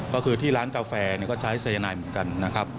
ก็คือที่ร้านกาแฟก็ใช้สายนายเหมือนกันนะครับ